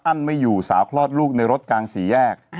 ไม่อยู่สาวคลอดลูกในรถกลางสี่แยก